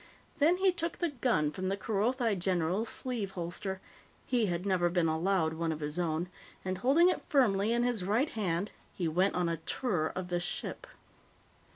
Then he took the gun from the Kerothi general's sleeve holster he had never been allowed one of his own and, holding it firmly in his right hand, he went on a tour of the ship.